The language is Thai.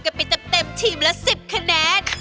กันไปเต็มทีมละ๑๐คะแนน